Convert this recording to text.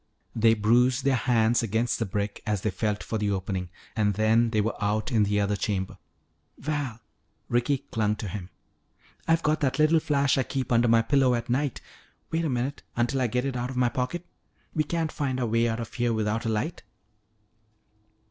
They bruised their hands against the brick as they felt for the opening, and then they were out in the other chamber. "Val," Ricky clung to him, "I've got that little flash I keep under my pillow at night. Wait a minute until I get it out of my pocket. We can't find our way out of here without a light."